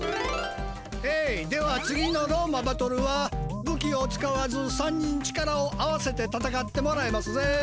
ヘイでは次のローマバトルはぶきを使わず３人力を合わせてたたかってもらいますぜ。